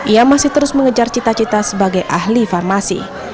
ia masih terus mengejar cita cita sebagai ahli farmasi